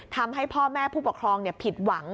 ทำให้พ่อแม่ผู้ปกครองผิดหวัง